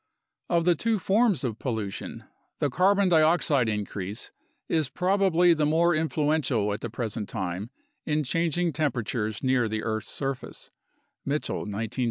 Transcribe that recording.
Of the two forms of pollution, the carbon dioxide increase is probably the more influential at the present time in changing temperatures near the earth's surface (Mitchell, 1973a).